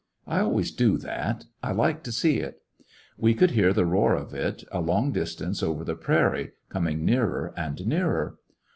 I always do that 5 I like to see it We could hear the roar of it a long distance over the prairie, coming nearer and nearer.